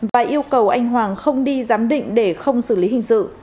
và yêu cầu anh hoàng không đi giám định để không xử lý hình sự